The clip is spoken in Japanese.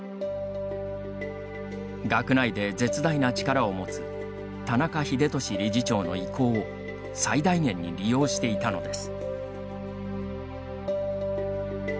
学内で絶大な力を持つ田中英壽理事長の威光を最大限に利用していたのです。